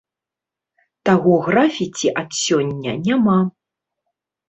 Таго графіці ад сёння няма!